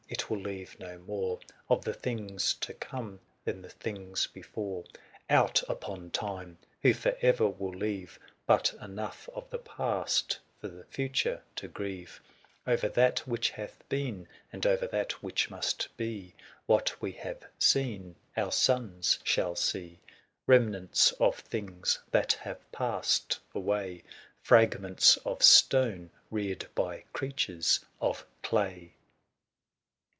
it will leave no more Of the things to come than the things before ! 455 Out upon Time ! who for ever will leave But enough of the past for the future to grieve O'er that which hath been, and o'er that which must be : What we have seen, our sons shall see ; Remnants of things that have passed away, 46() Fragments of stone, reared by creatures of clay